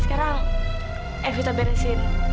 sekarang eh vita beresin